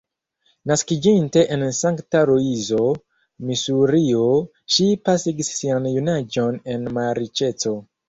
Naskiĝinte en Sankta-Luizo, Misurio, ŝi pasigis sian junaĝon en malriĉeco.